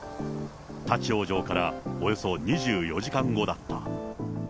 立往生からおよそ２４時間後だった。